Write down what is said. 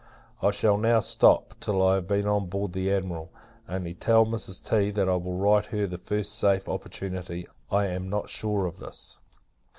I shall now stop, till I have been on board the Admiral. Only, tell Mrs. T. that I will write her the first safe opportunity; I am not sure of this.